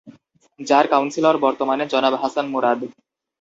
যার কাউন্সিলর বর্তমানে জনাব হাসান মুরাদ।